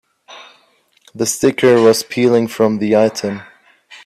The sticker was peeling from the item.